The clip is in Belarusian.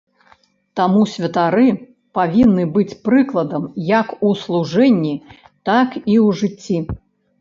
Таму святары павінны быць прыкладам як у служэнні, так і ў жыцці.